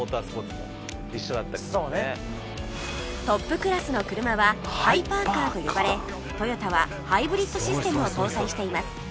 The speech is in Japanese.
トップクラスの車はハイパーカーと呼ばれトヨタはハイブリッドシステムを搭載しています